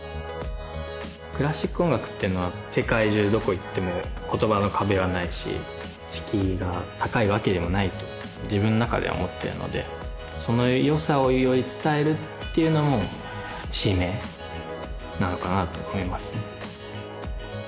クラシック音楽っていうのは世界中どこ行っても言葉の壁はないし敷居が高いわけでもないと自分の中では思ってるのでその良さをより伝えるっていうのも使命なのかなと思いますね